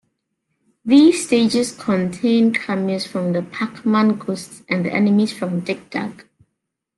These stages contain cameos from the "Pac-Man" ghosts and the enemies from "Dig Dug".